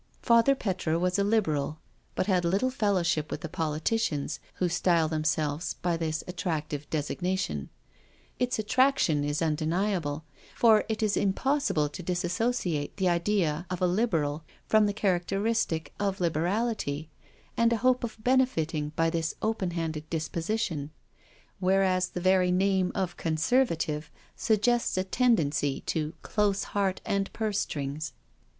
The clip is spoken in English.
Father Petre was a Liberal, but had little fellowship with the politicians who style themselves by this at tractive designation. Its attraction is undeniable, for it is impossible to disassociate the idea of a Liberal from the characteristic of liberality, and a hope of benefiting by this open handed disposition; whereas the very name of Conservative suggests a tendency to close heart and purse strings.